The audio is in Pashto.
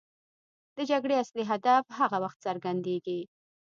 د جګړې اصلي هدف هغه وخت څرګندېږي.